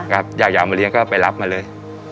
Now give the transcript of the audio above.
อยากมาเลี้ยก็ไปรับมาเลย